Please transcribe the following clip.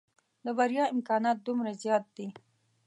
د بريا امکانات دومره زيات دي.